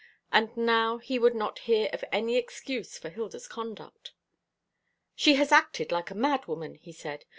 And now he would not hear of any excuse for Hilda's conduct. "She has acted like a madwoman," he said.